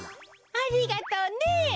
ありがとうね。